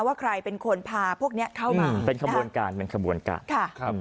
ว่าใครเป็นคนพาพวกเนี้ยเข้ามาเป็นขบวนการเป็นขบวนการค่ะครับ